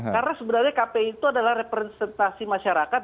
karena sebenarnya kpi itu adalah representasi masyarakat